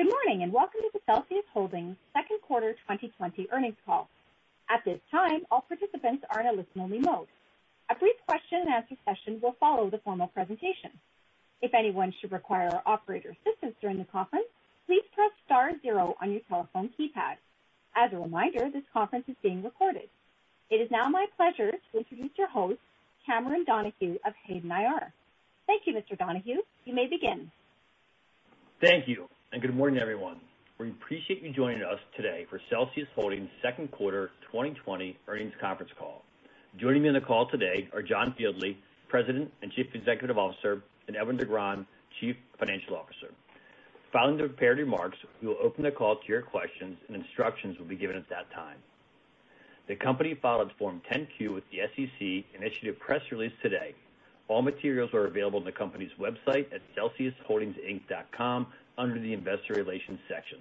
Good morning, and welcome to the Celsius Holdings second quarter 2020 earnings call. At this time, all participants are in a listen-only mode. A brief question-and-answer session will follow the formal presentation. If anyone should require our operator assistance during the conference, please press star zero on your telephone keypad. As a reminder, this conference is being recorded. It is now my pleasure to introduce your host, Cameron Donahue of Hayden IR. Thank you, Mr. Donahue. You may begin. Thank you and good morning, everyone. We appreciate you joining us today for Celsius Holdings' second quarter 2020 earnings conference call. Joining me on the call today are John Fieldly, President and Chief Executive Officer, and Edwin Negrón-Carballo, Chief Financial Officer. Following the prepared remarks, we will open the call to your questions and instructions will be given at that time. The company filed its Form 10-Q with the SEC and issued a press release today. All materials are available on the company's website at celsiusholdingsinc.com under the investor relations section.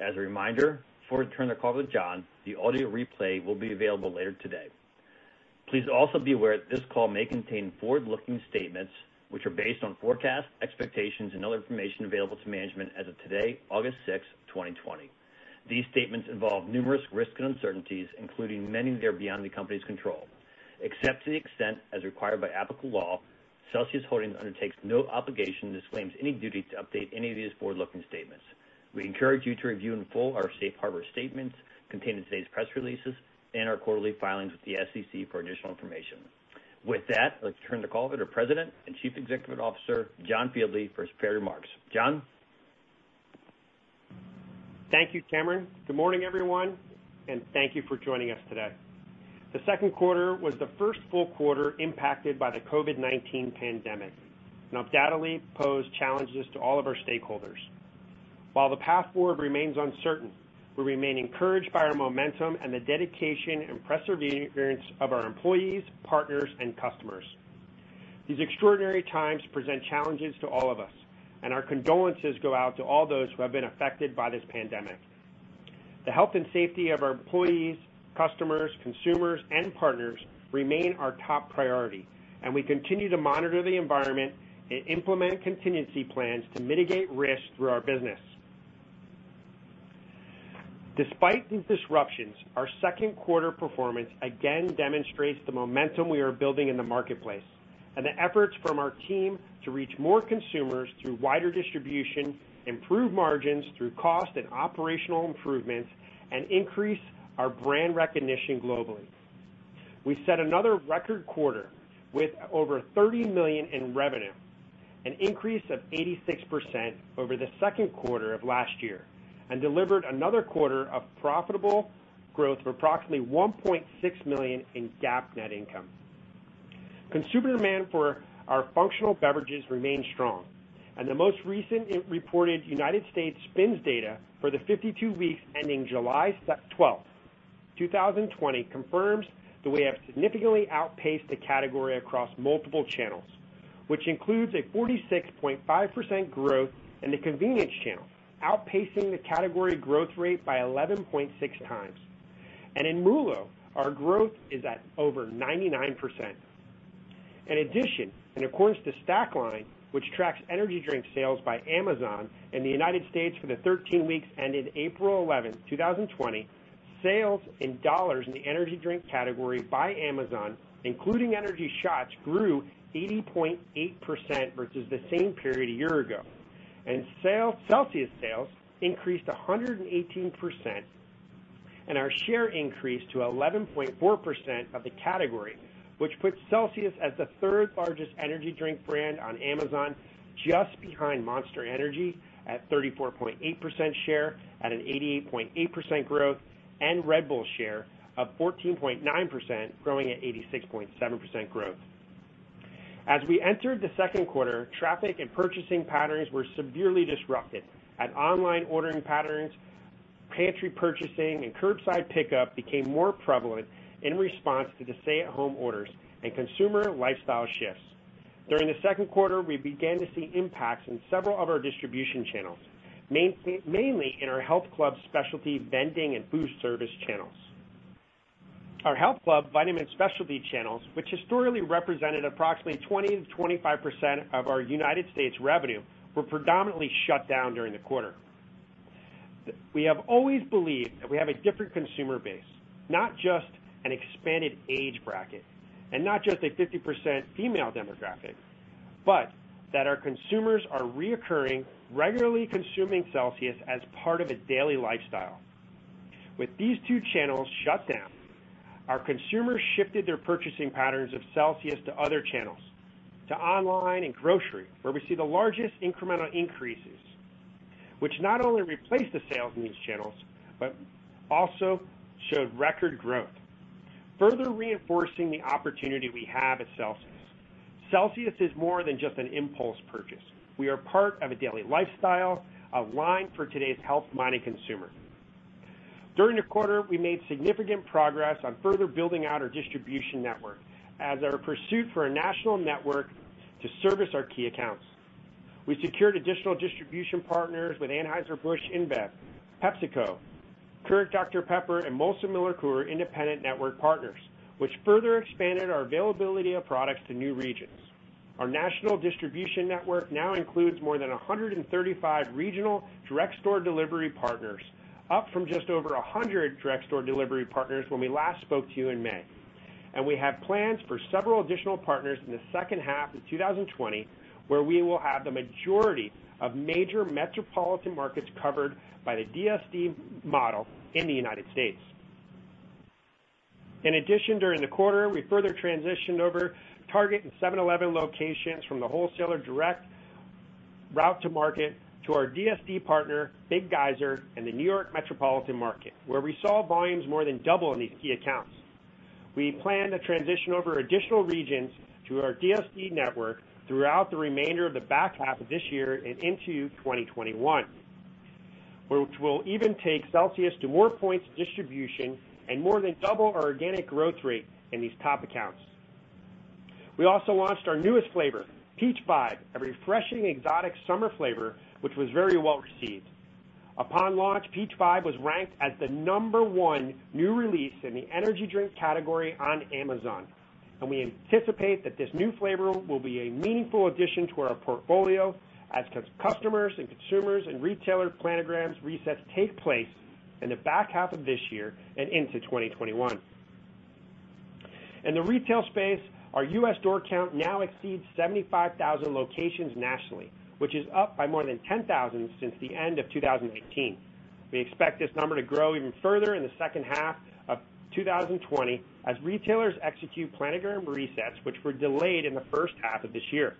As a reminder, before we turn the call to John, the audio replay will be available later today. Please also be aware that this call may contain forward-looking statements which are based on forecasts, expectations, and other information available to management as of today, August 6, 2020. These statements involve numerous risks and uncertainties, including many that are beyond the company's control. Except to the extent as required by applicable law, Celsius Holdings undertakes no obligation and disclaims any duty to update any of these forward-looking statements. We encourage you to review in full our safe harbor statements contained in today's press releases and our quarterly filings with the SEC for additional information. With that, let's turn the call over to President and Chief Executive Officer, John Fieldly, for his prepared remarks. John? Thank you, Cameron. Good morning, everyone, and thank you for joining us today. The second quarter was the first full quarter impacted by the COVID-19 pandemic and undoubtedly posed challenges to all of our stakeholders. While the path forward remains uncertain, we remain encouraged by our momentum and the dedication and perseverance of our employees, partners, and customers. These extraordinary times present challenges to all of us, and our condolences go out to all those who have been affected by this pandemic. The health and safety of our employees, customers, consumers, and partners remain our top priority, and we continue to monitor the environment and implement contingency plans to mitigate risk through our business. Despite these disruptions, our second quarter performance again demonstrates the momentum we are building in the marketplace and the efforts from our team to reach more consumers through wider distribution, improve margins through cost and operational improvements, and increase our brand recognition globally. We set another record quarter with over $30 million in revenue, an increase of 86% over the second quarter of last year, and delivered another quarter of profitable growth of approximately $1.6 million in GAAP net income. Consumer demand for our functional beverages remains strong. The most recent reported United States SPINS data for the 52 weeks ending July 12th, 2020 confirms that we have significantly outpaced the category across multiple channels, which includes a 46.5% growth in the convenience channel, outpacing the category growth rate by 11.6x. In MULO, our growth is at over 99%. In addition, according to Stackline, which tracks energy drink sales by Amazon in the United States for the 13 weeks ending April 11th, 2020, sales in dollars in the energy drink category by Amazon, including energy shots, grew 80.8% versus the same period a year ago. Celsius sales increased 118%, and our share increased to 11.4% of the category, which puts Celsius as the third largest energy drink brand on Amazon, just behind Monster Energy at 34.8% share at an 88.8% growth, and Red Bull share of 14.9% growing at 86.7% growth. As we entered the second quarter, traffic and purchasing patterns were severely disrupted and online ordering patterns, pantry purchasing, and curbside pickup became more prevalent in response to the stay-at-home orders and consumer lifestyle shifts. During the second quarter, we began to see impacts in several of our distribution channels, mainly in our health club specialty vending and food service channels. Our health club vitamin specialty channels, which historically represented approximately 20%-25% of our U.S. revenue, were predominantly shut down during the quarter. We have always believed that we have a different consumer base, not just an expanded age bracket and not just a 50% female demographic, but that our consumers are reoccurring, regularly consuming Celsius as part of a daily lifestyle. With these two channels shut down, our consumers shifted their purchasing patterns of Celsius to other channels, to online and grocery, where we see the largest incremental increases, which not only replaced the sales in these channels, but also showed record growth, further reinforcing the opportunity we have at Celsius. Celsius is more than just an impulse purchase. We are part of a daily lifestyle, a win for today's health-minded consumer. During the quarter, we made significant progress on further building out our distribution network as our pursuit for a national network to service our key accounts. We secured additional distribution partners with Anheuser-Busch InBev, PepsiCo, Keurig Dr Pepper and Molson Miller Coors are independent network partners, which further expanded our availability of products to new regions. Our national distribution network now includes more than 135 regional direct store delivery partners, up from just over 100 direct store delivery partners when we last spoke to you in May. We have plans for several additional partners in the second half of 2020, where we will have the majority of major metropolitan markets covered by the DSD model in the United States. In addition, during the quarter, we further transitioned over Target and 7-Eleven locations from the wholesaler direct route to market to our DSD partner, Big Geyser, in the New York metropolitan market, where we saw volumes more than double in these key accounts. We plan to transition over additional regions to our DSD network throughout the remainder of the back half of this year and into 2021, which will even take Celsius to more points of distribution and more than double our organic growth rate in these top accounts. We also launched our newest flavor, Peach Vibe, a refreshing, exotic summer flavor, which was very well received. Upon launch, Peach Vibe was ranked as the number one new release in the energy drink category on Amazon. We anticipate that this new flavor will be a meaningful addition to our portfolio as customers and consumers and retailer planograms resets take place in the back half of this year and into 2021. In the retail space, our U.S. door count now exceeds 75,000 locations nationally, which is up by more than 10,000 since the end of 2018. We expect this number to grow even further in the second half of 2020 as retailers execute planogram resets, which were delayed in the first half of this year.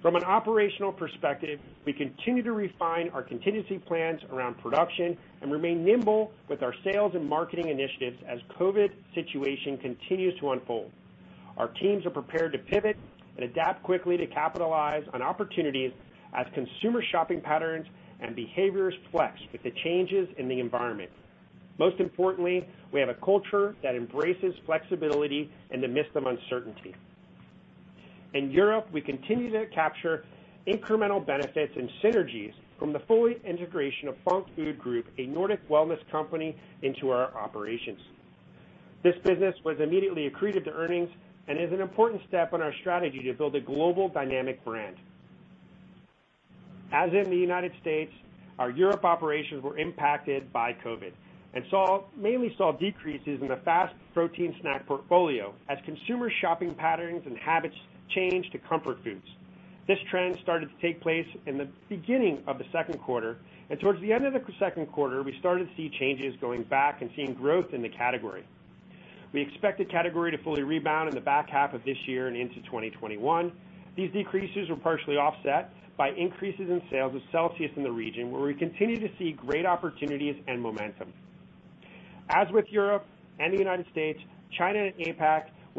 From an operational perspective, we continue to refine our contingency plans around production and remain nimble with our sales and marketing initiatives as COVID situation continues to unfold. Our teams are prepared to pivot and adapt quickly to capitalize on opportunities as consumer shopping patterns and behaviors flex with the changes in the environment. Most importantly, we have a culture that embraces flexibility in the midst of uncertainty. In Europe, we continue to capture incremental benefits and synergies from the full integration of Func Food Group, a Nordic wellness company, into our operations. This business was immediately accretive to earnings and is an important step in our strategy to build a global dynamic brand. As in the United States, our Europe operations were impacted by COVID and mainly saw decreases in the fast protein snack portfolio as consumer shopping patterns and habits changed to comfort foods. This trend started to take place in the beginning of the second quarter, and towards the end of the second quarter, we started to see changes going back and seeing growth in the category. We expect the category to fully rebound in the back half of this year and into 2021. These decreases were partially offset by increases in sales of Celsius in the region, where we continue to see great opportunities and momentum. As with Europe and the United States, China and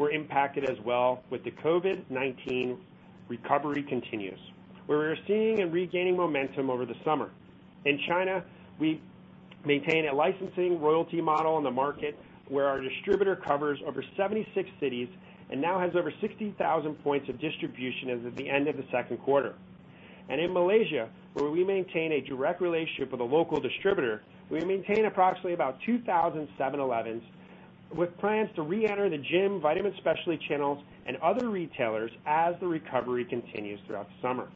APAC were impacted as well with the COVID-19 recovery continues, where we're seeing and regaining momentum over the summer. In China, we maintain a licensing royalty model in the market where our distributor covers over 76 cities and now has over 60,000 points of distribution as of the end of the second quarter. In Malaysia, where we maintain a direct relationship with a local distributor, we maintain approximately 2,000 7-Elevens with plans to reenter the gym vitamin specialty channels and other retailers as the recovery continues throughout the summer.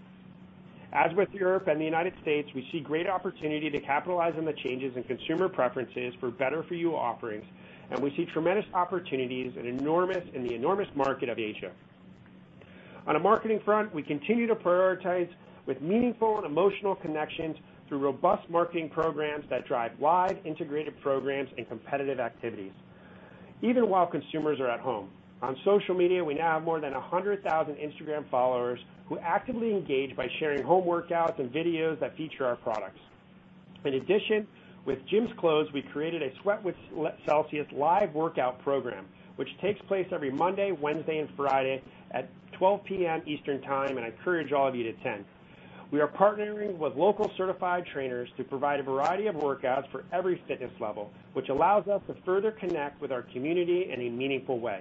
As with Europe and the United States, we see great opportunity to capitalize on the changes in consumer preferences for better for you offerings, and we see tremendous opportunities in the enormous market of Asia. On a marketing front, we continue to prioritize with meaningful and emotional connections through robust marketing programs that drive live integrated programs and competitive activities, even while consumers are at home. On social media, we now have more than 100,000 Instagram followers who actively engage by sharing home workouts and videos that feature our products. In addition, with gyms closed, we created a SWEAT WITH CELSIUS live workout program, which takes place every Monday, Wednesday and Friday at 12:00 P.M. Eastern Time, and I encourage all of you to attend. We are partnering with local certified trainers to provide a variety of workouts for every fitness level, which allows us to further connect with our community in a meaningful way.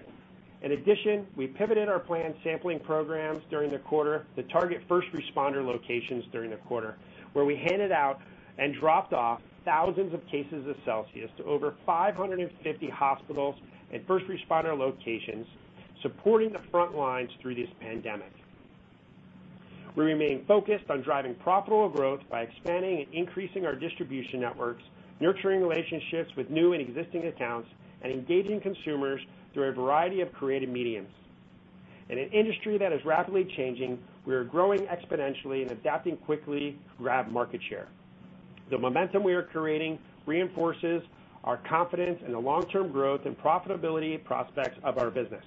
In addition, we pivoted our planned sampling programs during the quarter to target first responder locations during the quarter, where we handed out and dropped off thousands of cases of Celsius to over 550 hospitals and first responder locations, supporting the front lines through this pandemic. We remain focused on driving profitable growth by expanding and increasing our distribution networks, nurturing relationships with new and existing accounts, and engaging consumers through a variety of creative mediums. In an industry that is rapidly changing, we are growing exponentially and adapting quickly to grab market share. The momentum we are creating reinforces our confidence in the long-term growth and profitability prospects of our business.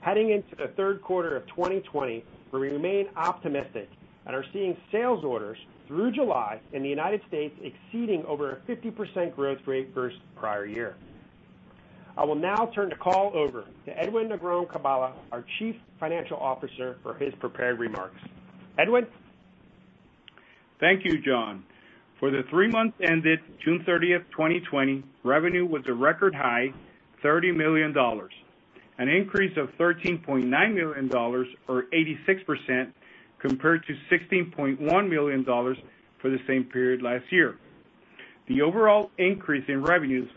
Heading into the third quarter of 2020, we remain optimistic and are seeing sales orders through July in the U.S. exceeding over a 50% growth rate versus prior year. I will now turn the call over to Edwin Negrón-Carballo, our Chief Financial Officer, for his prepared remarks. Edwin? Thank you, John. For the three months ended June 30th, 2020, revenue was a record high $30 million. An increase of $13.9 million, or 86%, compared to $16.1 million for the same period last year. The overall increase in revenues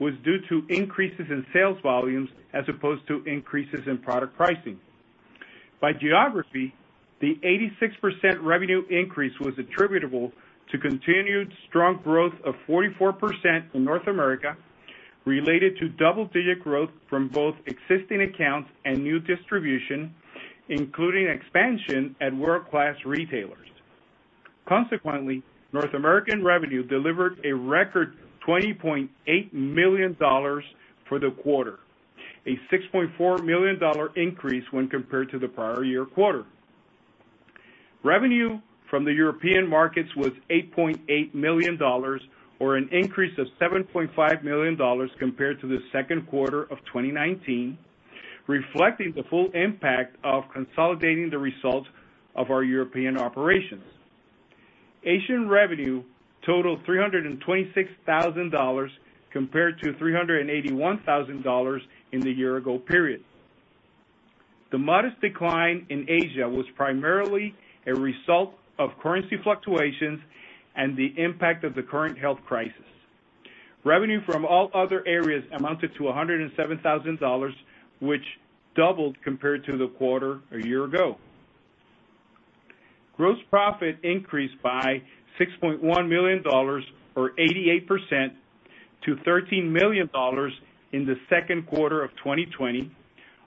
was due to increases in sales volumes as opposed to increases in product pricing. By geography, the 86% revenue increase was attributable to continued strong growth of 44% in North America related to double-digit growth from both existing accounts and new distribution, including expansion at world-class retailers. Consequently, North American revenue delivered a record $20.8 million for the quarter, a $6.4 million increase when compared to the prior year quarter. Revenue from the European markets was $8.8 million, or an increase of $7.5 million compared to the second quarter of 2019, reflecting the full impact of consolidating the results of our European operations. Asian revenue totaled $326,000, compared to $381,000 in the year ago period. The modest decline in Asia was primarily a result of currency fluctuations and the impact of the current health crisis. Revenue from all other areas amounted to $107,000, which doubled compared to the quarter a year ago. Gross profit increased by $6.1 million, or 88%, to $13 million in the second quarter of 2020,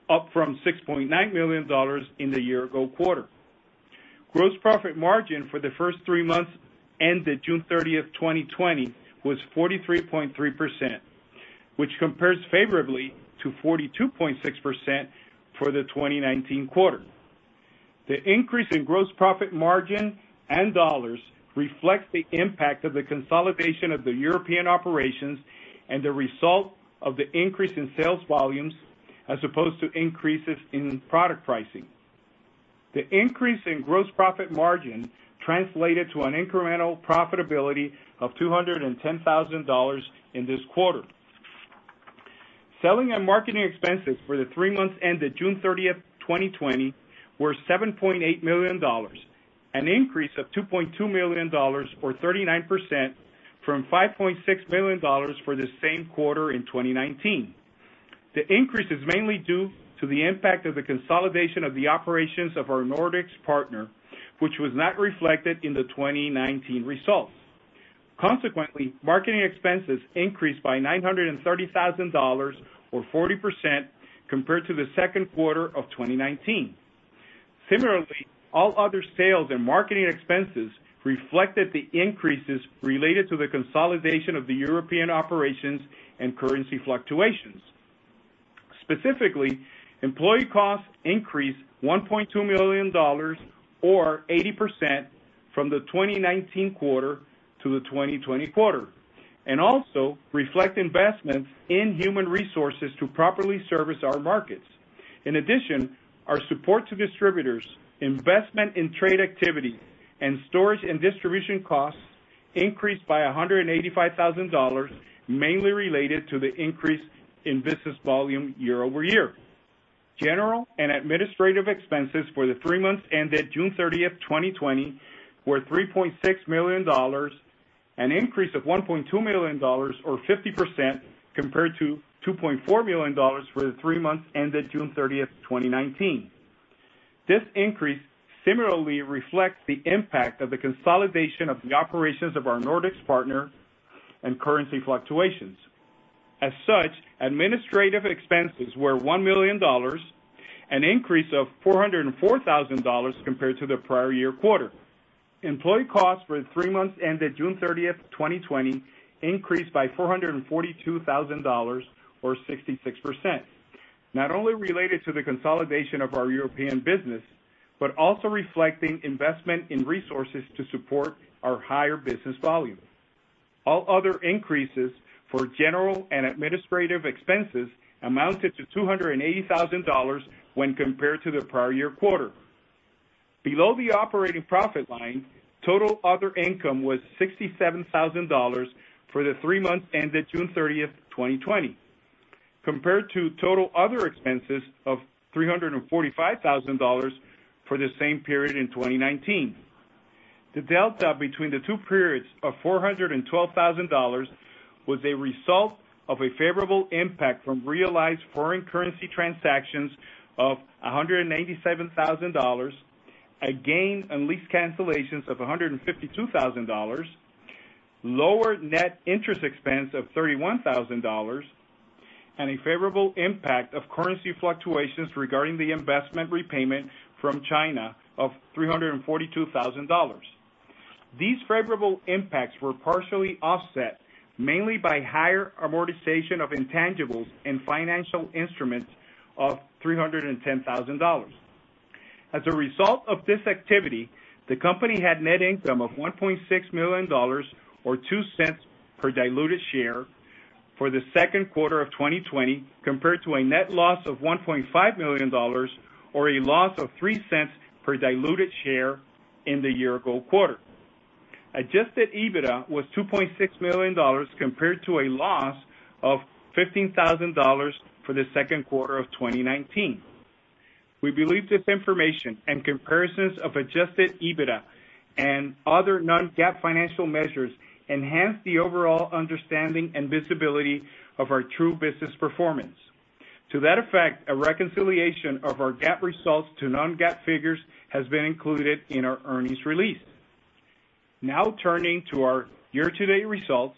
up from $6.9 million in the year ago quarter. Gross profit margin for the first three months ended June 30th, 2020, was 43.3%, which compares favorably to 42.6% for the 2019 quarter. The increase in gross profit margin and dollars reflects the impact of the consolidation of the European operations and the result of the increase in sales volumes, as opposed to increases in product pricing. The increase in gross profit margin translated to an incremental profitability of $210,000 in this quarter. Selling and marketing expenses for the three months ended June 30th, 2020, were $7.8 million, an increase of $2.2 million, or 39%, from $5.6 million for the same quarter in 2019. The increase is mainly due to the impact of the consolidation of the operations of our Nordics partner, which was not reflected in the 2019 results. Consequently, marketing expenses increased by $930,000, or 40%, compared to the second quarter of 2019. Similarly, all other sales and marketing expenses reflected the increases related to the consolidation of the European operations and currency fluctuations. Specifically, employee costs increased $1.2 million, or 80%, from the 2019 quarter to the 2020 quarter, and also reflect investments in human resources to properly service our markets. In addition, our support to distributors, investment in trade activity, and storage and distribution costs increased by $185,000, mainly related to the increase in business volume year-over-year. General and administrative expenses for the three months ended June 30th, 2020, were $3.6 million, an increase of $1.2 million, or 50%, compared to $2.4 million for the three months ended June 30th, 2019. This increase similarly reflects the impact of the consolidation of the operations of our Nordics partner and currency fluctuations. As such, administrative expenses were $1 million, an increase of $404,000 compared to the prior year quarter. Employee costs for the three months ended June 30th, 2020, increased by $442,000, or 66%, not only related to the consolidation of our European business, but also reflecting investment in resources to support our higher business volume. All other increases for general and administrative expenses amounted to $280,000 when compared to the prior year quarter. Below the operating profit line, total other income was $67,000 for the three months ended June 30th, 2020, compared to total other expenses of $345,000 for the same period in 2019. The delta between the two periods of $412,000 was a result of a favorable impact from realized foreign currency transactions of $187,000, a gain on lease cancellations of $152,000, lower net interest expense of $31,000, and a favorable impact of currency fluctuations regarding the investment repayment from China of $342,000. These favorable impacts were partially offset mainly by higher amortization of intangibles in financial instruments of $310,000. As a result of this activity, the company had net income of $1.6 million, or $0.02 per diluted share for the second quarter of 2020, compared to a net loss of $1.5 million, or a loss of $0.03 per diluted share in the year-ago quarter. Adjusted EBITDA was $2.6 million, compared to a loss of $15,000 for the second quarter of 2019. We believe this information and comparisons of adjusted EBITDA and other non-GAAP financial measures enhance the overall understanding and visibility of our true business performance. To that effect, a reconciliation of our GAAP results to non-GAAP figures has been included in our earnings release. Now turning to our year-to-date results.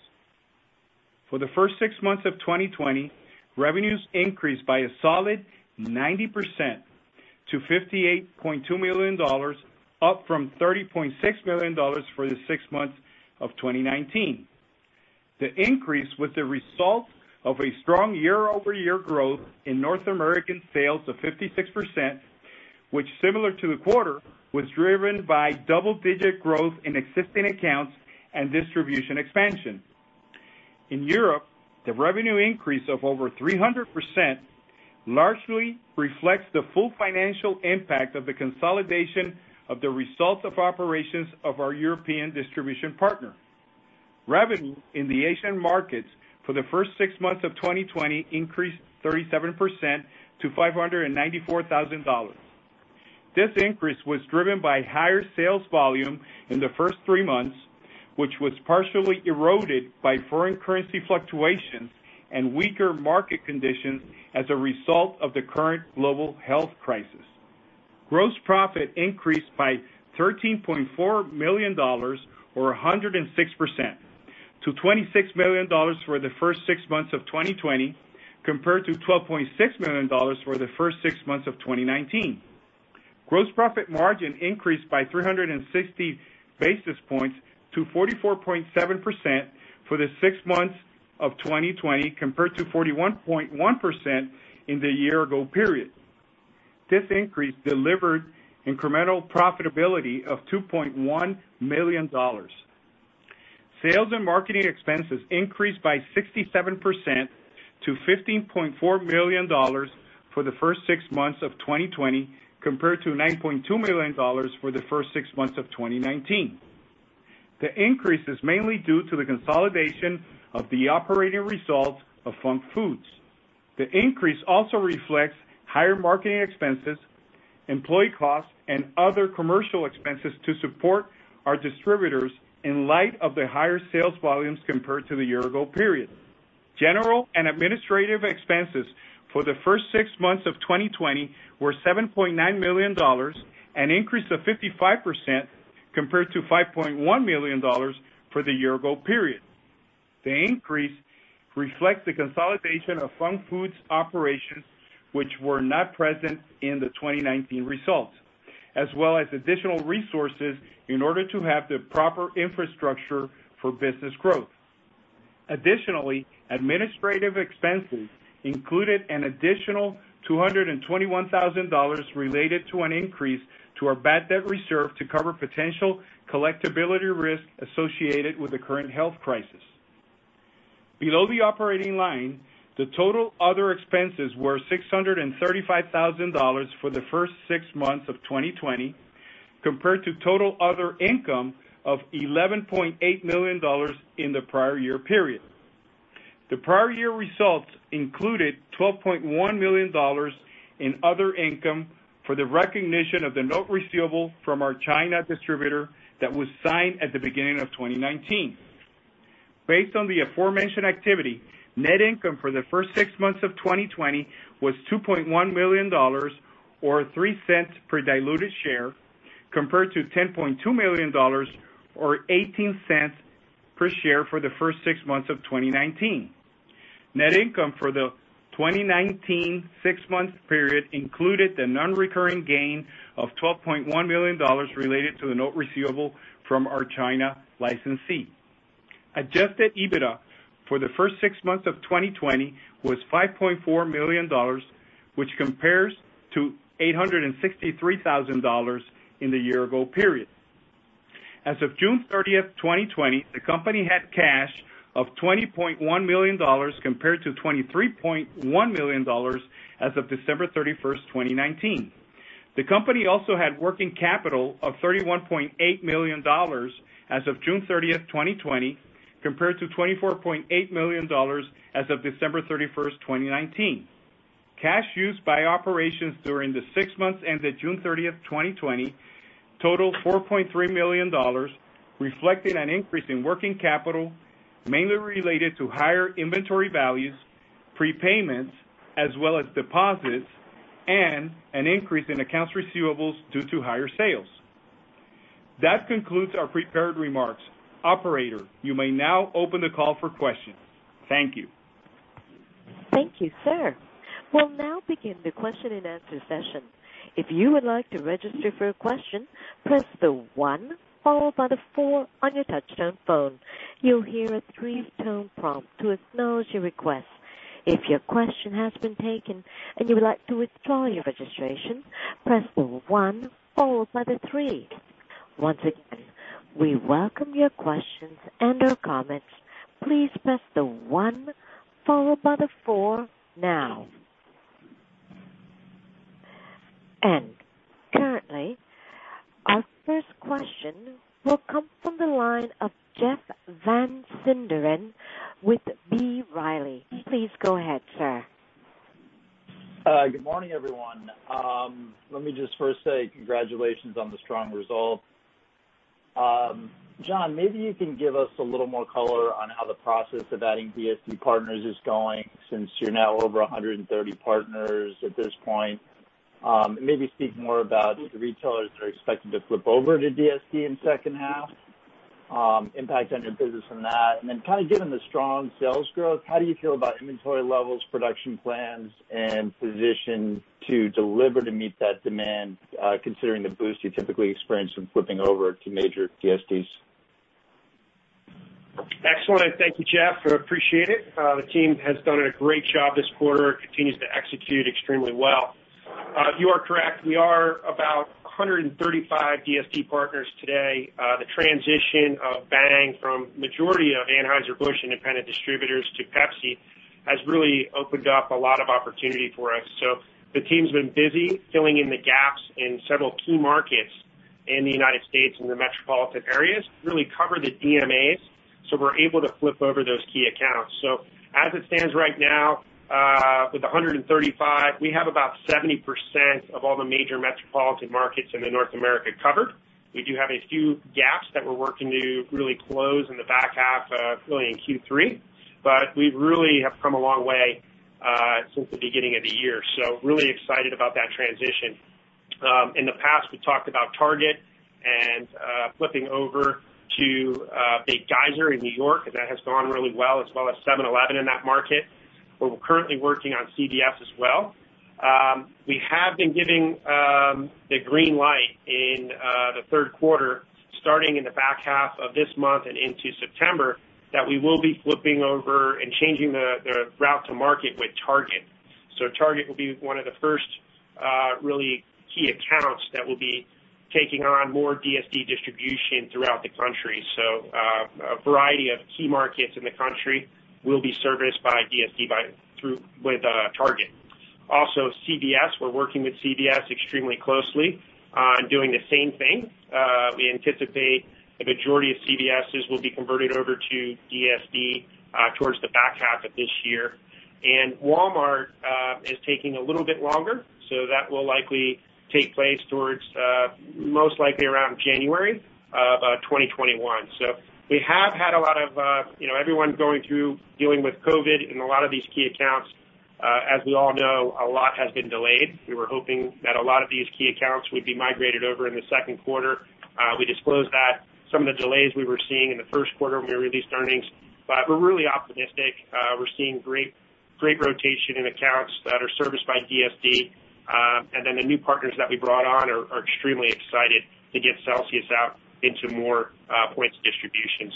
For the first six months of 2020, revenues increased by a solid 90% to $58.2 million, up from $30.6 million for the six months of 2019. The increase was the result of a strong year-over-year growth in North American sales of 56%, which similar to the quarter, was driven by double-digit growth in existing accounts and distribution expansion. In Europe, the revenue increase of over 300% largely reflects the full financial impact of the consolidation of the results of operations of our European distribution partner. Revenue in the Asian markets for the first six months of 2020 increased 37% to $594,000. This increase was driven by higher sales volume in the first three months, which was partially eroded by foreign currency fluctuations and weaker market conditions as a result of the current global health crisis. Gross profit increased by $13.4 million, or 106%, to $26 million for the first six months of 2020, compared to $12.6 million for the first six months of 2019. Gross profit margin increased by 360 basis points to 44.7% for the six months of 2020, compared to 41.1% in the year ago period. This increase delivered incremental profitability of $2.1 million. Sales and marketing expenses increased by 67% to $15.4 million for the first six months of 2020, compared to $9.2 million for the first six months of 2019. The increase is mainly due to the consolidation of the operating results of Func Food. The increase also reflects higher marketing expenses, employee costs, and other commercial expenses to support our distributors in light of the higher sales volumes compared to the year ago period. General and administrative expenses for the first six months of 2020 were $7.9 million, an increase of 55% compared to $5.1 million for the year ago period. The increase reflects the consolidation of Func Food operations, which were not present in the 2019 results, as well as additional resources in order to have the proper infrastructure for business growth. Additionally, administrative expenses included an additional $221,000 related to an increase to our bad debt reserve to cover potential collectibility risk associated with the current health crisis. Below the operating line, the total other expenses were $635,000 for the first six months of 2020, compared to total other income of $11.8 million in the prior year period. The prior year results included $12.1 million in other income for the recognition of the note receivable from our China distributor that was signed at the beginning of 2019. Based on the aforementioned activity, net income for the first six months of 2020 was $2.1 million, or $0.03 per diluted share, compared to $10.2 million, or $0.18 per share, for the first six months of 2019. Net income for the 2019 six-month period included the non-recurring gain of $12.1 million related to the note receivable from our China licensee. Adjusted EBITDA for the first six months of 2020 was $5.4 million, which compares to $863,000 in the year ago period. As of June 30th, 2020, the company had cash of $20.1 million, compared to $23.1 million as of December 31st, 2019. The company also had working capital of $31.8 million as of June 30th, 2020, compared to $24.8 million as of December 31st, 2019. Cash used by operations during the six months ended June 30th, 2020, totaled $4.3 million, reflecting an increase in working capital mainly related to higher inventory values, prepayments, as well as deposits, and an increase in accounts receivables due to higher sales. That concludes our prepared remarks. Operator, you may now open the call for questions. Thank you. Thank you, sir. We'll now begin the question-and-answer session. If you'd like to register for questions press the one followed by the four on your touch-tone phone. You'll hear a three-tone prompt to acknowledge your request. If your question has been taken and you'd like to withdraw your registration, press the one followed by the three. Once again, we welcome your questions and your comments. Please press the one followed by the four now. Currently, our first question will come from the line of Jeff Van Sinderen with B. Riley. Please go ahead, sir. Good morning, everyone. Let me just first say congratulations on the strong result. John, maybe you can give us a little more color on how the process of adding DSD partners is going, since you're now over 130 partners at this point. Maybe speak more about the retailers that are expected to flip over to DSD in the second half, impact on your business from that, and then kind of given the strong sales growth, how do you feel about inventory levels, production plans, and position to deliver to meet that demand, considering the boost you typically experience from flipping over to major DSDs? Excellent. Thank you, Jeff, I appreciate it. The team has done a great job this quarter and continues to execute extremely well. You are correct. We are about 135 DSD partners today. The transition of Bang from majority of Anheuser-Busch independent distributors to Pepsi has really opened up a lot of opportunity for us. The team's been busy filling in the gaps in several key markets in the U.S. and the metropolitan areas to really cover the DMAs, we're able to flip over those key accounts. As it stands right now, with 135, we have about 70% of all the major metropolitan markets in North America covered. We do have a few gaps that we're working to really close in the back half, really in Q3. We really have come a long way since the beginning of the year, so really excited about that transition. In the past, we talked about Target and flipping over to Big Geyser in New York, and that has gone really well, as well as 7-Eleven in that market. We're currently working on CVS as well. We have been given the green light in the third quarter, starting in the back half of this month and into September, that we will be flipping over and changing the route to market with Target. Target will be one of the first really key accounts that will be taking on more DSD distribution throughout the country. A variety of key markets in the country will be serviced by DSD with Target. Also CVS, we're working with CVS extremely closely on doing the same thing. We anticipate the majority of CVS will be converted over to DSD towards the back half of this year. Walmart is taking a little bit longer, so that will likely take place most likely around January of 2021. We have had a lot of everyone going through dealing with COVID in a lot of these key accounts. As we all know, a lot has been delayed. We were hoping that a lot of these key accounts would be migrated over in the second quarter. We disclosed that some of the delays we were seeing in the first quarter when we released earnings, but we're really optimistic. We're seeing great rotation in accounts that are serviced by DSD. Then the new partners that we brought on are extremely excited to get Celsius out into more points of distribution.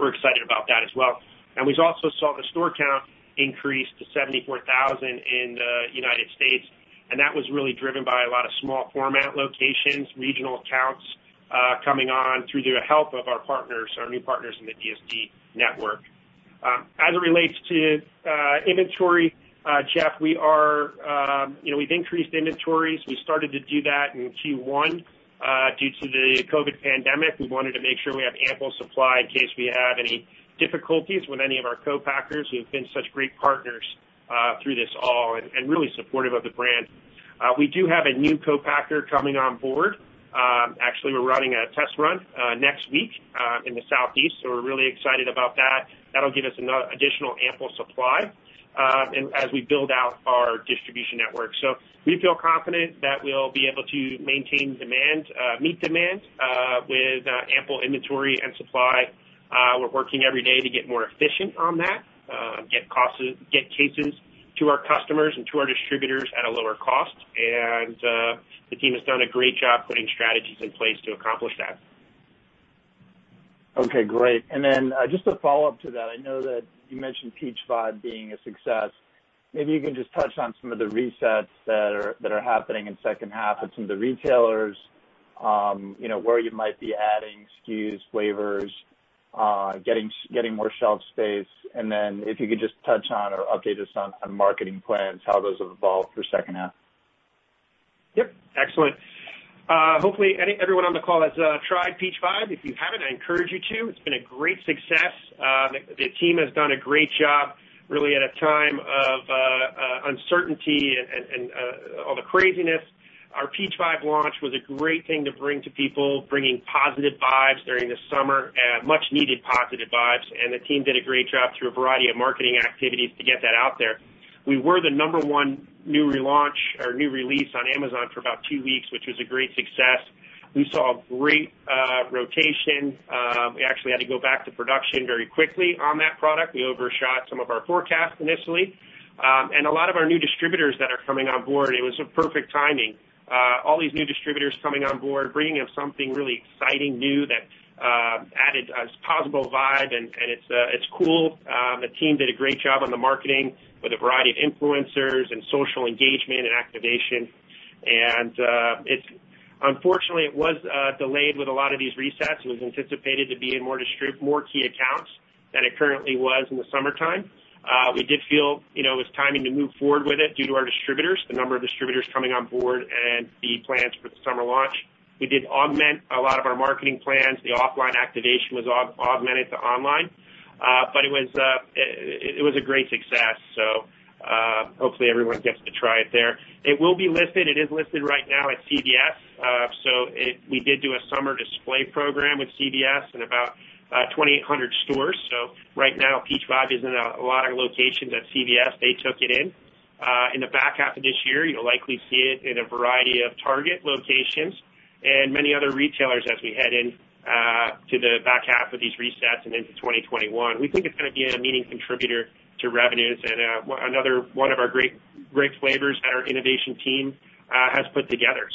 We're excited about that as well. We also saw the store count increase to 74,000 in the United States., and that was really driven by a lot of small format locations, regional accounts coming on through the help of our partners, our new partners in the DSD network. As it relates to inventory, Jeff, we've increased inventories. We started to do that in Q1 due to the COVID-19 pandemic. We wanted to make sure we have ample supply in case we have any difficulties with any of our co-packers, who have been such great partners through this all and really supportive of the brand. We do have a new co-packer coming on board. Actually, we're running a test run next week in the Southeast, so we're really excited about that. That'll give us additional ample supply as we build out our distribution network. We feel confident that we'll be able to meet demand with ample inventory and supply. We're working every day to get more efficient on that, get cases to our customers and to our distributors at a lower cost. The team has done a great job putting strategies in place to accomplish that. Okay, great. Just a follow-up to that, I know that you mentioned Peach Vibe being a success. Maybe you can just touch on some of the resets that are happening in the second half with some of the retailers, where you might be adding SKUs, flavors, getting more shelf space. If you could just touch on or update us on marketing plans, how those have evolved for the second half. Yep, excellent. Hopefully, everyone on the call has tried Peach Vibe. If you haven't, I encourage you to. It's been a great success. The team has done a great job, really at a time of uncertainty and all the craziness. Our Peach Vibe launch was a great thing to bring to people, bringing positive vibes during the summer, much needed positive vibes, and the team did a great job through a variety of marketing activities to get that out there. We were the number one new relaunch or new release on Amazon for about two weeks, which was a great success. We saw great rotation. We actually had to go back to production very quickly on that product. We overshot some of our forecasts initially. A lot of our new distributors that are coming on board, it was a perfect timing. All these new distributors coming on board, bringing something really exciting, new, that added a possible vibe, and it's cool. The team did a great job on the marketing with a variety of influencers and social engagement and activation. Unfortunately, it was delayed with a lot of these resets. It was anticipated to be in more key accounts than it currently was in the summertime. We did feel it was timing to move forward with it due to our distributors, the number of distributors coming on board, and the plans for the summer launch. We did augment a lot of our marketing plans. The offline activation was augmented to online. It was a great success. Hopefully everyone gets to try it there. It will be listed. It is listed right now at CVS. We did do a summer display program with CVS in about 2,800 stores. Right now, Peach Vibe in a lot of locations at CVS. They took it in. In the back half of this year, you'll likely see it in a variety of Target locations and many other retailers as we head into the back half of these resets and into 2021. We think it's going to be a meaningful contributor to revenues and another one of our great flavors that our innovation team has put together.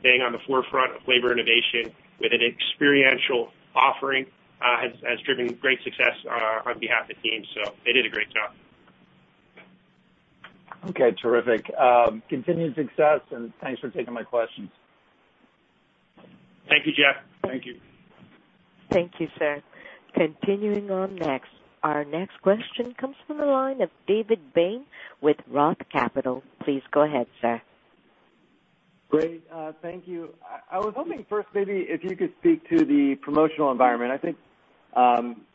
Staying on the forefront of flavor innovation with an experiential offering has driven great success on behalf of the team. They did a great job. Okay, terrific. Continued success. Thanks for taking my questions. Thank you, Jeff. Thank you. Thank you, sir. Continuing on next. Our next question comes from the line of David Bain with Roth Capital. Please go ahead, sir. Great. Thank you. I was hoping first maybe if you could speak to the promotional environment. I think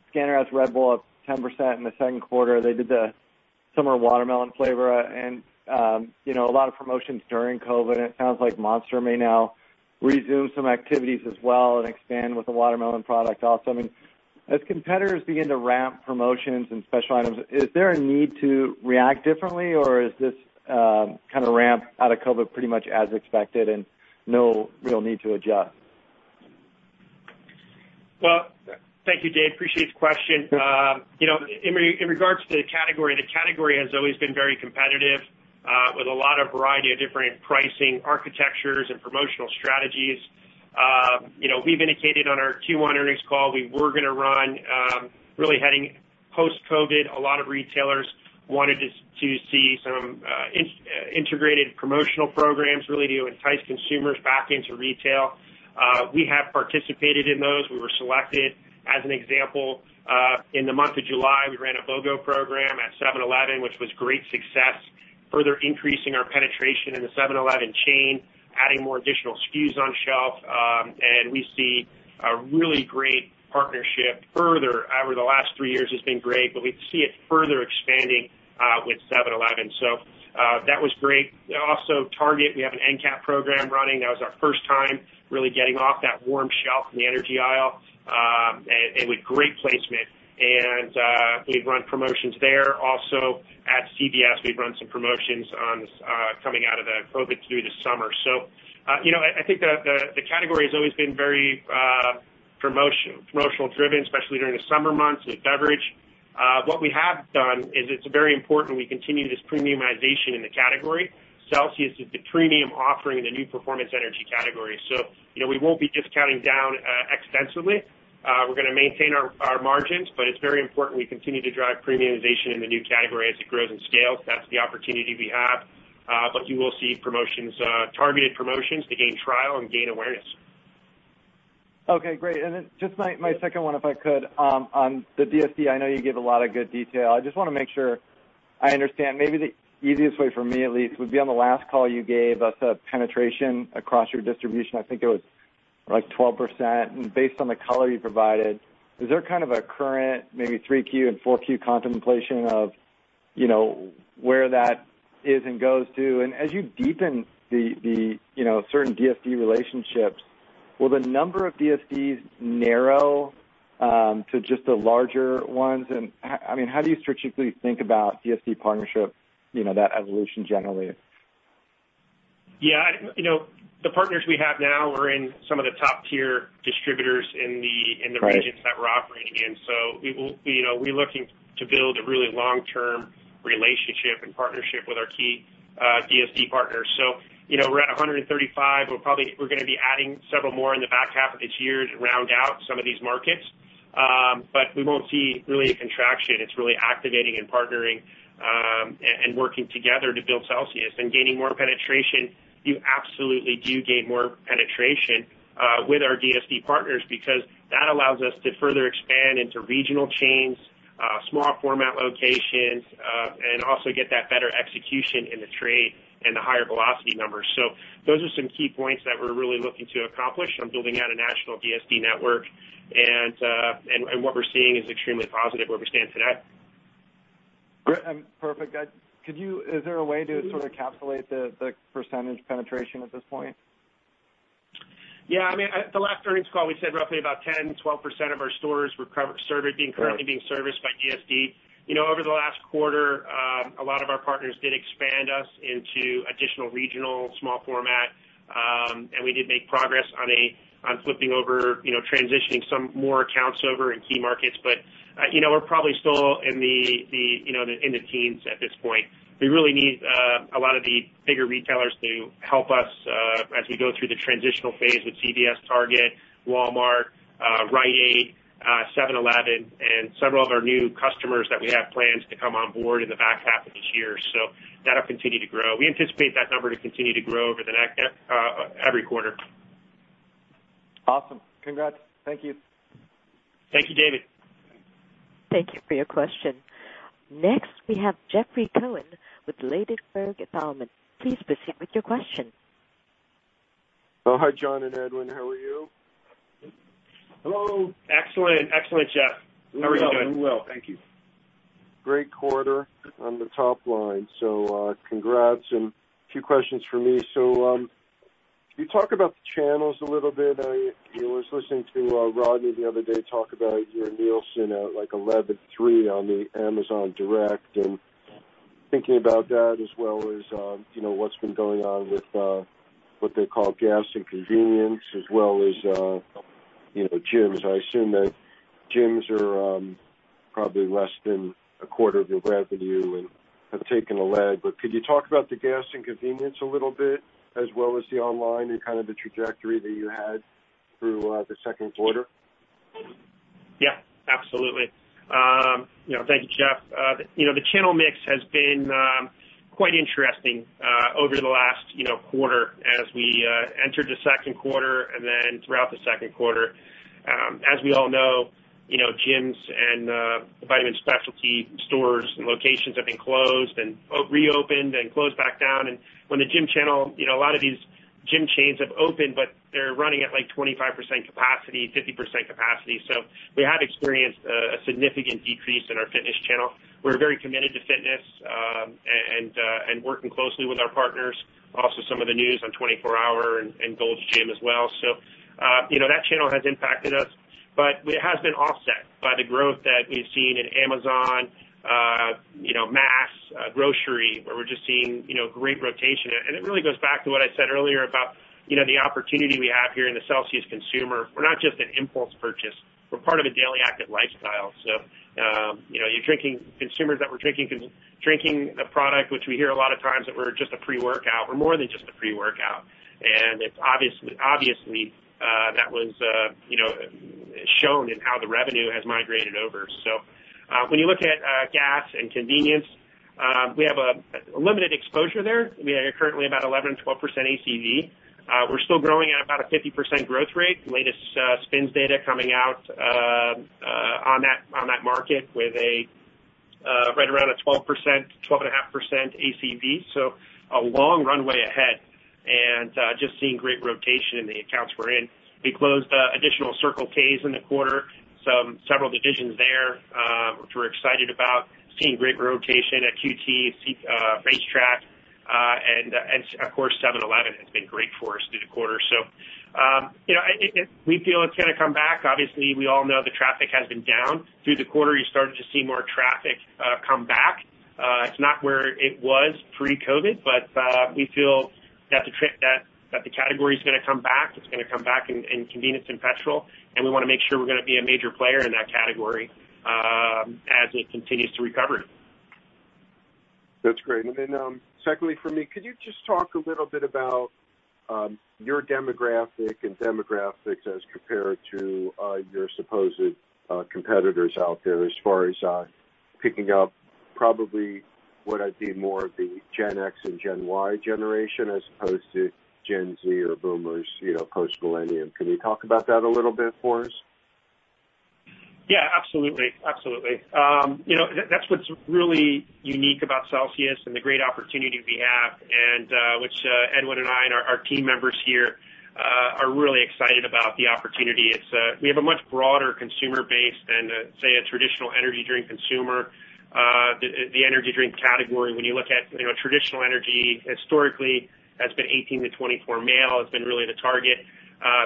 scanner has Red Bull up 10% in the second quarter. They did the summer watermelon flavor and a lot of promotions during COVID-19. It sounds like Monster may now resume some activities as well and expand with the watermelon product also. As competitors begin to ramp promotions and special items, is there a need to react differently, or is this kind of ramp out of COVID-19 pretty much as expected and no real need to adjust? Well, thank you, David. Appreciate the question. In regards to the category, the category has always been very competitive with a lot of variety of different pricing architectures and promotional strategies. We've indicated on our Q1 earnings call we were going to run really heading post-COVID, a lot of retailers wanted to see some integrated promotional programs really to entice consumers back into retail. We have participated in those. We were selected as an example. In the month of July, we ran a BOGO program at 7-Eleven, which was great success, further increasing our penetration in the 7-Eleven chain, adding more additional SKUs on shelf. We see a really great partnership further. Over the last three years has been great, but we see it further expanding with 7-Eleven. That was great. Also, Target, we have an endcap program running. That was our first time really getting off that warm shelf in the energy aisle and with great placement. We've run promotions there. Also at CVS, we've run some promotions coming out of the COVID through the summer. I think the category has always been very promotional driven, especially during the summer months with beverage. What we have done is it's very important we continue this premiumization in the category. Celsius is the premium offering in the new performance energy category. We won't be discounting down extensively. We're going to maintain our margins, but it's very important we continue to drive premiumization in the new category as it grows and scales. That's the opportunity we have. You will see targeted promotions to gain trial and gain awareness. Okay, great. Just my second one, if I could. On the DSD, I know you gave a lot of good detail. I just want to make sure I understand. Maybe the easiest way for me, at least, would be on the last call you gave us a penetration across your distribution. I think it was 12%. Based on the color you provided, is there kind of a current, maybe three Q and four Q contemplation of where that is and goes to? As you deepen the certain DSD relationships, will the number of DSDs narrow to just the larger ones? How do you strategically think about DSD partnership, that evolution generally? Yeah. The partners we have now are in some of the top tier distributors in the regions that we're operating in. We're looking to build a really long-term relationship and partnership with our key DSD partners. We're at 135. We're going to be adding several more in the back half of this year to round out some of these markets. We won't see really a contraction. It's really activating and partnering and working together to build Celsius and gaining more penetration. You absolutely do gain more penetration with our DSD partners because that allows us to further expand into regional chains, small format locations, and also get that better execution in the trade and the higher velocity numbers. Those are some key points that we're really looking to accomplish on building out a national DSD network. What we're seeing is extremely positive where we stand today. Great. Perfect. Is there a way to sort of encapsulate the percentage penetration at this point? Yeah. The last earnings call, we said roughly about 10%, 12% of our stores were currently being serviced by DSD. Over the last quarter, a lot of our partners did expand us into additional regional small format. We did make progress on flipping over, transitioning some more accounts over in key markets. We're probably still in the teens at this point. We really need a lot of the bigger retailers to help us as we go through the transitional phase with CVS, Target, Walmart, Rite Aid, 7-Eleven, and several other new customers that we have plans to come on board in the back half of this year. That'll continue to grow. We anticipate that number to continue to grow over every quarter. Awesome. Congrats. Thank you. Thank you, David. Thank you for your question. Next, we have Jeffrey Cohen with Ladenburg Thalmann. Please proceed with your question. Hi, John and Edwin. How are you? Hello. Excellent, Jeff. How are you doing? I'm well. Thank you. Great quarter on the top line. Congrats, and a few questions from me. You talk about the channels a little bit. I was listening to Rodney the other day talk about your Nielsen at 11.3 on the Amazon direct and thinking about that as well as what's been going on with what they call gas and convenience, as well as gyms. I assume that gyms are probably less than a quarter of your revenue and have taken a lag. Could you talk about the gas and convenience a little bit, as well as the online and kind of the trajectory that you had through the second quarter? Yeah, absolutely. Thank you, Jeff. The channel mix has been quite interesting over the last quarter as we entered the second quarter and then throughout the second quarter. As we all know, gyms and vitamin specialty stores and locations have been closed and reopened and closed back down. A lot of these gym chains have opened, but they're running at 25% capacity, 50% capacity. We have experienced a significant decrease in our fitness channel. We're very committed to fitness and working closely with our partners. Also, some of the news on 24 Hour and Gold's Gym as well. That channel has impacted us, but it has been offset by the growth that we've seen in Amazon, mass grocery, where we're just seeing great rotation. It really goes back to what I said earlier about the opportunity we have here in the Celsius consumer. We're not just an impulse purchase. We're part of a daily active lifestyle. Consumers that were drinking a product, which we hear a lot of times that we're just a pre-workout, we're more than just a pre-workout. Obviously, that was shown in how the revenue has migrated over. When you look at gas and convenience, we have a limited exposure there. We are currently about 11%, 12% ACV. We're still growing at about a 50% growth rate. Latest SPINS data coming out on that market with right around a 12%, 12.5% ACV. A long runway ahead and just seeing great rotation in the accounts we're in. We closed additional Circle Ks in the quarter, several divisions there, which we're excited about. Seeing great rotation at QT, RaceTrac, and of course, 7-Eleven has been great for us through the quarter. We feel it's going to come back. Obviously, we all know the traffic has been down through the quarter. You're starting to see more traffic come back. It's not where it was pre-COVID, but we feel that the category is going to come back. It's going to come back in convenience and petrol, and we want to make sure we're going to be a major player in that category as it continues to recover. That's great. Secondly for me, could you just talk a little bit about your demographic and demographics as compared to your supposed competitors out there as far as picking up probably what I'd be more of the Gen X and Gen Y generation as opposed to Gen Z or Boomers, post-millennials. Can you talk about that a little bit for us? Yeah, absolutely. That's what's really unique about Celsius and the great opportunity we have, which Edwin and I and our team members here are really excited about the opportunity. We have a much broader consumer base than, say, a traditional energy drink consumer. The energy drink category, when you look at traditional energy, historically, has been 18-24 male, has been really the target.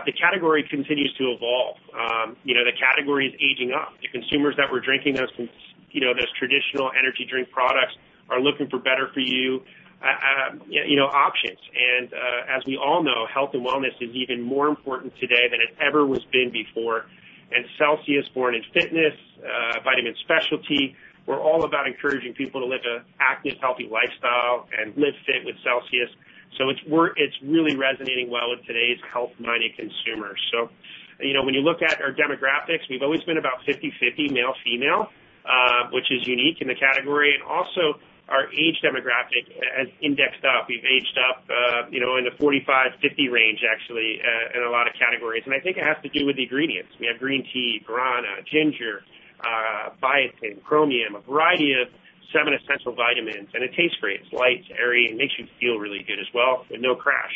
The category continues to evolve. The category is aging up. The consumers that were drinking those traditional energy drink products are looking for better-for-you options. As we all know, health and wellness is even more important today than it ever was been before. Celsius, born in fitness, vitamin specialty, we're all about encouraging people to live an active, healthy lifestyle and Live Fit with Celsius. It's really resonating well with today's health-minded consumers. When you look at our demographics, we've always been about 50/50 male/female, which is unique in the category. Also our age demographic has indexed up. We've aged up in the 45, 50 range, actually, in a lot of categories. I think it has to do with the ingredients. We have green tea, guarana, ginger, biotin, chromium, a variety of seven essential vitamins, and it tastes great. It's light, it's airy, and makes you feel really good as well with no crash.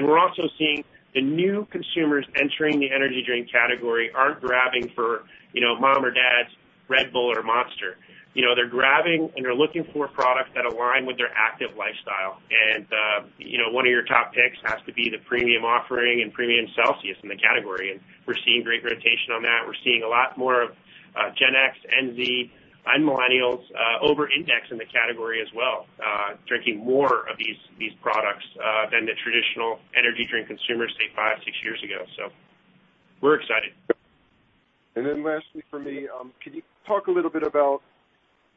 We're also seeing the new consumers entering the energy drink category aren't grabbing for mom or dad's Red Bull or Monster. They're looking for products that align with their active lifestyle. One of your top picks has to be the premium offering and premium Celsius in the category, and we're seeing great rotation on that. We're seeing a lot more of Gen X, Gen Z, and Millennials over-index in the category as well, drinking more of these products than the traditional energy drink consumers, say, five, six years ago. We're excited. Lastly for me, can you talk a little bit about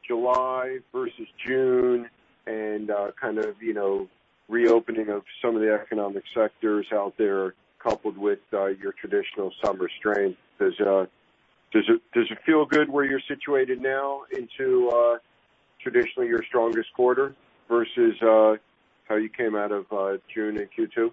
July versus June and reopening of some of the economic sectors out there coupled with your traditional summer strength? Does it feel good where you're situated now into traditionally your strongest quarter versus how you came out of June and Q2?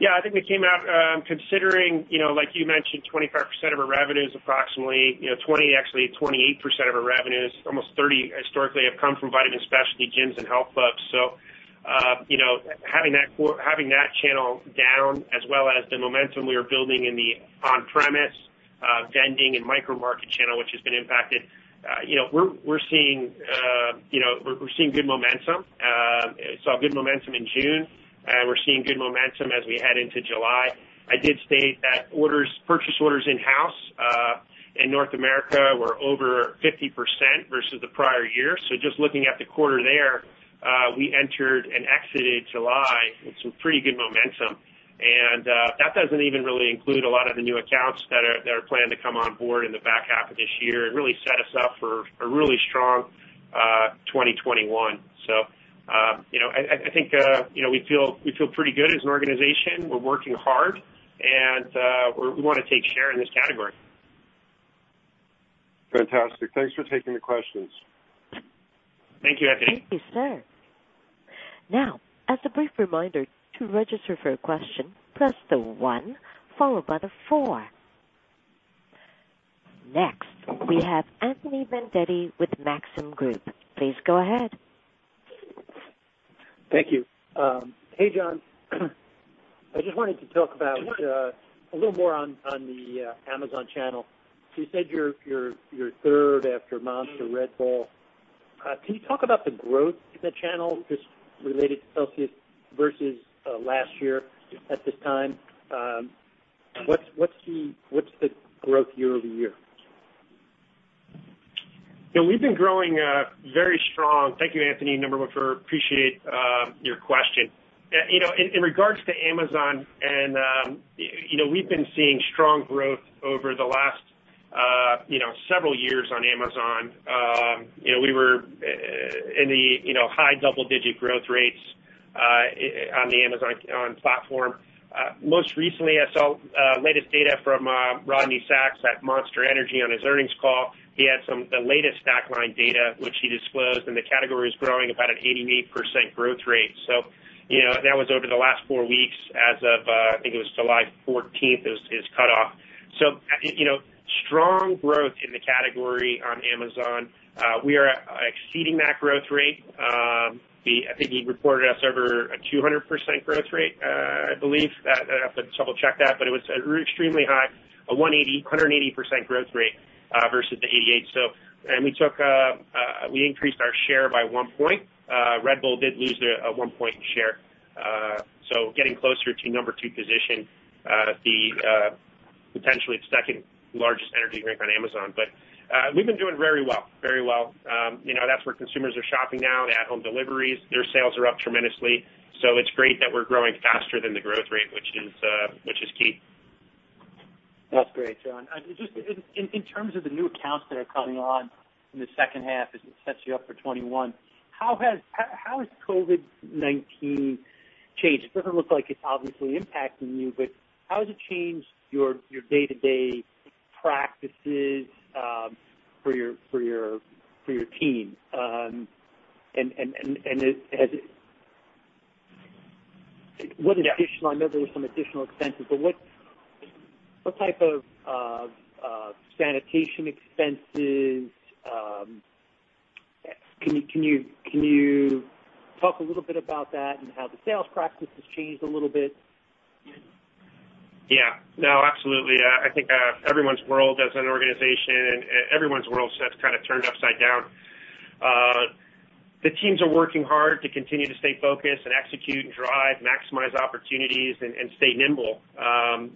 Yeah, I think we came out, considering, like you mentioned, 25% of our revenues, approximately 20%, actually 28% of our revenues, almost 30% historically have come from vitamin specialty gyms and health clubs. Having that channel down as well as the momentum we were building in the on-premise vending and micro market channel, which has been impacted, we're seeing good momentum. Saw good momentum in June, and we're seeing good momentum as we head into July. I did state that purchase orders in-house, in North America were over 50% versus the prior year. Just looking at the quarter there, we entered and exited July with some pretty good momentum. That doesn't even really include a lot of the new accounts that are planning to come on board in the back half of this year and really set us up for a really strong 2021. I think we feel pretty good as an organization. We're working hard and we want to take share in this category. Fantastic. Thanks for taking the questions. Thank you, Anthony. Thank you, sir. Now, as a brief reminder, to register for a question, press the one followed by the four. Next, we have Anthony Vendetti with Maxim Group. Please go ahead. Thank you. Hey, John. I just wanted to talk about a little more on the Amazon channel. You said you're third after Monster, Red Bull. Can you talk about the growth in the channel just related to Celsius versus last year at this time? What's the growth year-over-year? We've been growing very strong. Thank you, Anthony. Appreciate your question. In regards to Amazon, we've been seeing strong growth over the last several years on Amazon. We were in the high double-digit growth rates on the Amazon platform. Most recently, I saw latest data from Rodney Sacks at Monster Energy on his earnings call. He had the latest top-line data, which he disclosed. The category is growing about an 88% growth rate. That was over the last four weeks as of, I think it was July 14th, his cutoff. Strong growth in the category on Amazon. We are exceeding that growth rate. I think he reported us over a 200% growth rate. I believe, I'd have to double check that, it was extremely high, a 180% growth rate, versus the 88%. We increased our share by one point. Red Bull did lose their one point share. Getting closer to number two position, potentially the second largest energy drink on Amazon. We've been doing very well. That's where consumers are shopping now, the at-home deliveries. Their sales are up tremendously. It's great that we're growing faster than the growth rate, which is key. That's great, John. Just in terms of the new accounts that are coming on in the second half, as it sets you up for 2021, how has COVID-19 changed? It doesn't look like it's obviously impacting you, but how has it changed your day-to-day practices for your team? What additional, I know there were some additional expenses, but what type of sanitation expenses? Can you talk a little bit about that and how the sales practice has changed a little bit? Yeah. No, absolutely. I think everyone's world as an organization and everyone's world has kind of turned upside down. The teams are working hard to continue to stay focused and execute and drive, maximize opportunities, and stay nimble.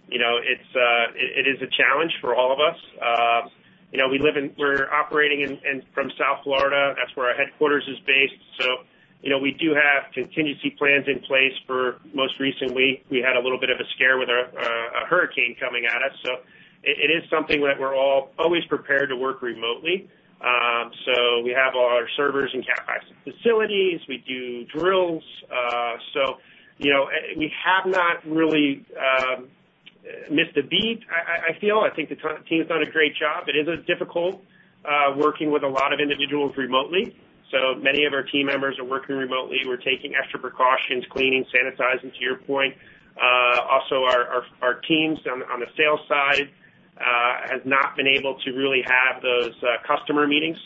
It is a challenge for all of us. We're operating from South Florida. That's where our headquarters is based. We do have contingency plans in place for most recent week. We had a little bit of a scare with a hurricane coming at us. It is something that we're all always prepared to work remotely. We have all our servers in Tier 5 facilities. We do drills. We have not really missed a beat, I feel. I think the team's done a great job. It is difficult working with a lot of individuals remotely. Many of our team members are working remotely. We're taking extra precautions, cleaning, sanitizing, to your point. Our teams on the sales side have not been able to really have those customer meetings.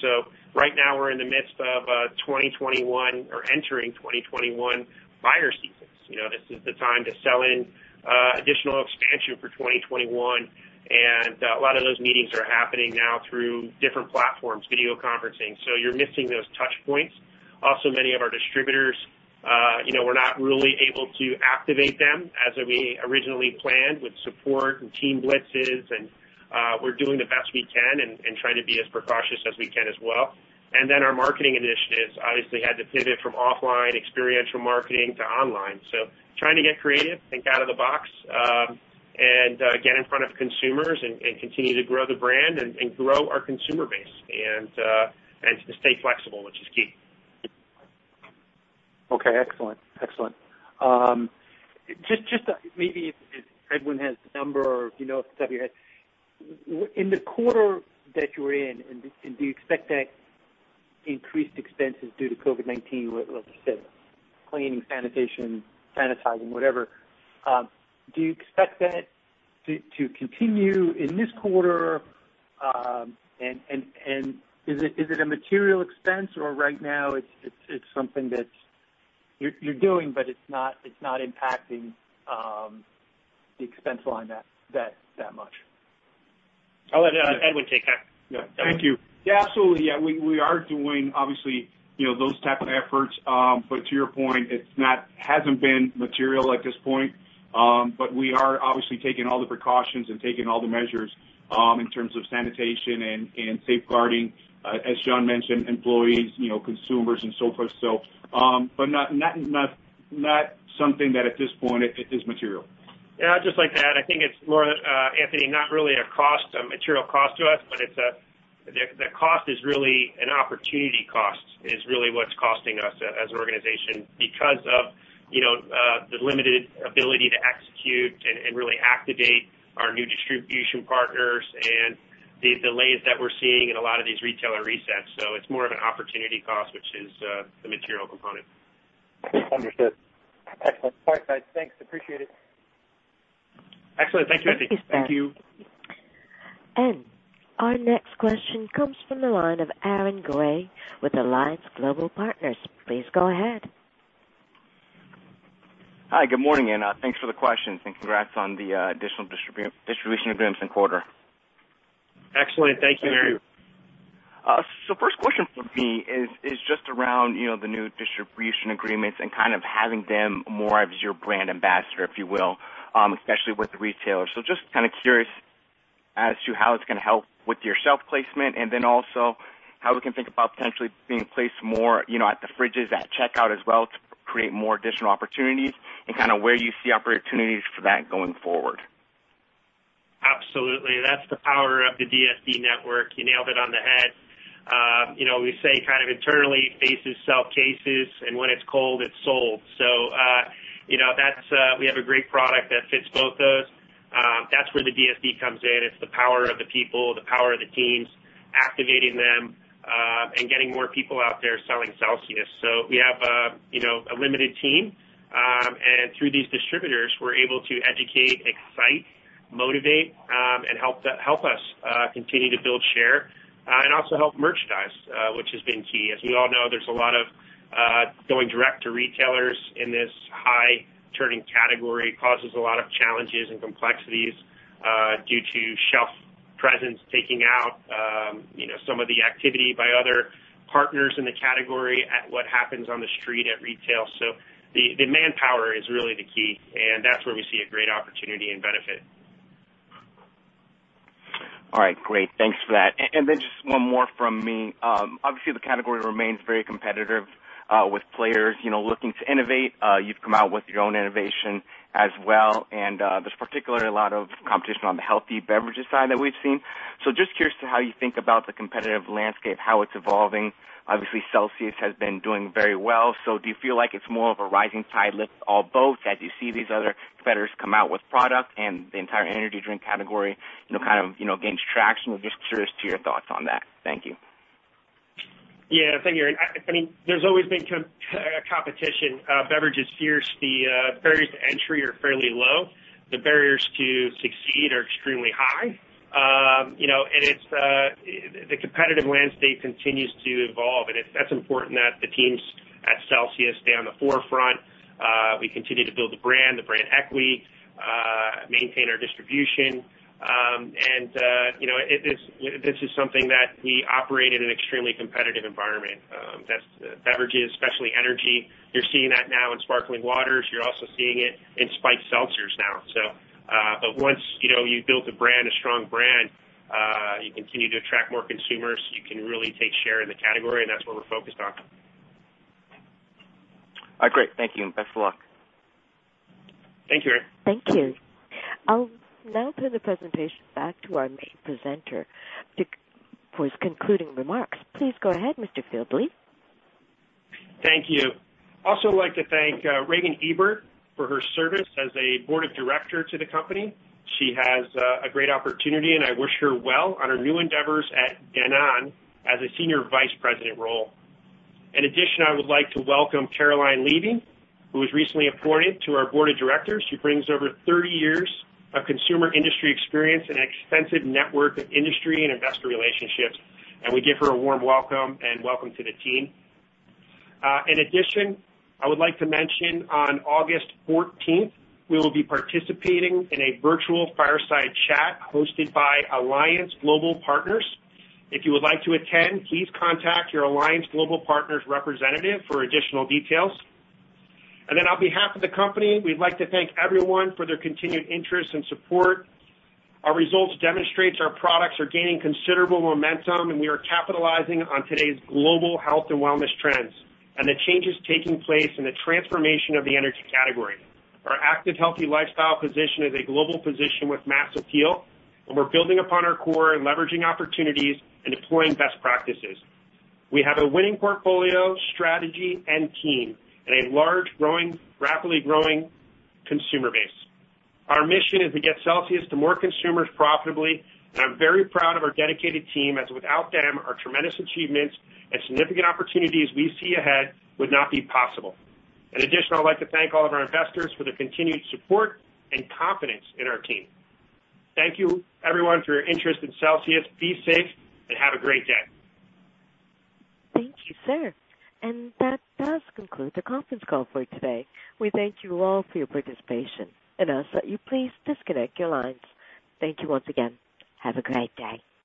Right now we're in the midst of 2021 or entering 2021 buyer seasons. This is the time to sell in additional expansion for 2021. A lot of those meetings are happening now through different platforms, video conferencing. You're missing those touch points. Many of our distributors, we're not really able to activate them as we originally planned with support and team blitzes. We're doing the best we can and trying to be as precautious as we can as well. Our marketing initiatives obviously had to pivot from offline experiential marketing to online. Trying to get creative, think out of the box, and get in front of consumers and continue to grow the brand and grow our consumer base and to stay flexible, which is key. Okay, excellent. Just maybe if Edwin has the number or if you know off the top of your head, in the quarter that you were in, do you expect that increased expenses due to COVID-19, like I said, cleaning, sanitation, sanitizing, whatever, do you expect that to continue in this quarter? Is it a material expense or right now it's something that you're doing, but it's not impacting the expense line that much? I'll let Edwin take that. Thank you. Yeah, absolutely. We are doing obviously those type of efforts. To your point, it hasn't been material at this point. We are obviously taking all the precautions and taking all the measures, in terms of sanitation and safeguarding, as John mentioned, employees, consumers, and so forth. Not something that at this point is material. Yeah, just like that. I think it's more, Anthony, not really a material cost to us, but the cost is really an opportunity cost is really what's costing us as an organization because of the limited ability to execute and really activate our new distribution partners and the delays that we're seeing in a lot of these retailer resets. It's more of an opportunity cost, which is the material component. Understood. Excellent. All right, guys. Thanks, appreciate it. Excellent. Thanks, Anthony. Thank you. Thank you. Our next question comes from the line of Aaron Grey with Alliance Global Partners. Please go ahead. Hi, good morning, and thanks for the questions, and congrats on the additional distribution agreements in quarter. Excellent. Thank you, Aaron. Thank you. First question from me is just around the new distribution agreements and kind of having them more as your brand ambassador, if you will, especially with the retailers. Just kind of curious as to how it's going to help with your shelf placement, and then also how we can think about potentially being placed more at the fridges at checkout as well to create more additional opportunities and kind of where you see opportunities for that going forward. Absolutely. That's the power of the DSD network. You nailed it on the head. We say kind of internally, faces sell cases, and when it's cold, it's sold. We have a great product that fits both those. That's where the DSD comes in. It's the power of the people, the power of the teams, activating them, and getting more people out there selling Celsius. We have a limited team, and through these distributors, we're able to educate, excite, motivate, and help us continue to build share, and also help merchandise, which has been key. As we all know, there's a lot of going direct to retailers in this high turning category causes a lot of challenges and complexities due to shelf presence taking out some of the activity by other partners in the category at what happens on the street at retail. The manpower is really the key, and that's where we see a great opportunity and benefit. All right, great. Thanks for that. Just one more from me. Obviously, the category remains very competitive, with players looking to innovate. You've come out with your own innovation as well, and there's particularly a lot of competition on the healthy beverages side that we've seen. Just curious to how you think about the competitive landscape, how it's evolving. Obviously, Celsius has been doing very well. Do you feel like it's more of a rising tide lifts all boats as you see these other competitors come out with product and the entire energy drink category kind of gains traction? I'm just curious to your thoughts on that. Thank you. Yeah, thank you, Aaron. There's always been competition. Beverage is fierce. The barriers to entry are fairly low. The barriers to succeed are extremely high. The competitive landscape continues to evolve, and that's important that the teams at Celsius stay on the forefront. We continue to build the brand, the brand equity, maintain our distribution. This is something that we operate in an extremely competitive environment. That's beverages, especially energy. You're seeing that now in sparkling waters. You're also seeing it in spiked seltzers now. Once you build a brand, a strong brand, you continue to attract more consumers. You can really take share in the category, and that's what we're focused on. All right, great. Thank you, and best of luck. Thank you, Aaron. Thank you. I'll now turn the presentation back to our main presenter for his concluding remarks. Please go ahead, Mr. Fieldly, please. Thank you. Also like to thank Regan Ebert for her service as a board of directors to the company. She has a great opportunity, and I wish her well on her new endeavors at Danone as a Senior Vice President role. In addition, I would like to welcome Caroline Levy, who was recently appointed to our board of directors. She brings over 30 years of consumer industry experience and extensive network of industry and investor relationships, and we give her a warm welcome and welcome to the team. In addition, I would like to mention on August 14th, we will be participating in a virtual fireside chat hosted by Alliance Global Partners. If you would like to attend, please contact your Alliance Global Partners representative for additional details. On behalf of the company, we'd like to thank everyone for their continued interest and support. Our results demonstrates our products are gaining considerable momentum, and we are capitalizing on today's global health and wellness trends and the changes taking place in the transformation of the energy category. Our active, healthy lifestyle position is a global position with mass appeal, and we're building upon our core and leveraging opportunities and deploying best practices. We have a winning portfolio, strategy, and team and a large, rapidly growing consumer base. Our mission is to get Celsius to more consumers profitably, and I'm very proud of our dedicated team, as without them, our tremendous achievements and significant opportunities we see ahead would not be possible. In addition, I'd like to thank all of our investors for their continued support and confidence in our team. Thank you everyone for your interest in Celsius. Be safe and have a great day. Thank you, sir. That does conclude the conference call for today. We thank you all for your participation, and I'll ask that you please disconnect your lines. Thank you once again. Have a great day.